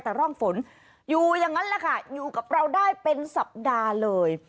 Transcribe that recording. แต่ร่องฝนอยู่อย่างนั้นแหละค่ะอยู่กับเราได้เป็นสัปดาห์เลย